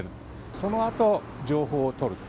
そのあと情報をとる。